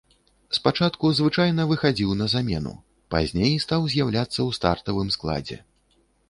Спачатку звычайна выхадзіў на замену, пазней стаў з'яўляцца ў стартавым складзе.